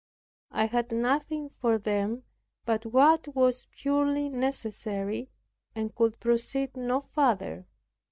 I had nothing for them but what was purely necessary, and could proceed no farther.